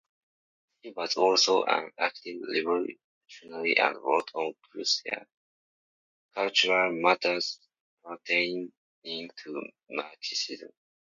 She was also an active revolutionary and wrote on cultural matters pertaining to Marxism.